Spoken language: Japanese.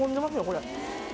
これ。